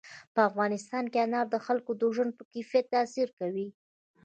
په افغانستان کې انار د خلکو د ژوند په کیفیت تاثیر کوي.